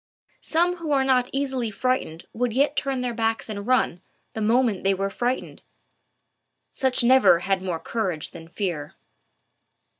Some who are not easily frightened would yet turn their backs and run, the moment they were frightened: such never had more courage than fear.